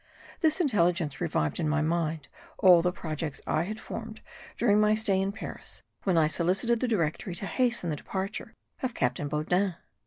This intelligence revived in my mind all the projects I had formed during my stay in Paris, when I solicited the Directory to hasten the departure of Captain Baudin.